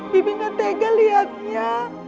bibi gak tegas liatnya